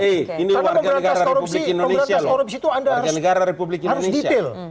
karena memberantas korupsi itu anda harus detail